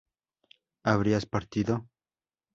habrías partido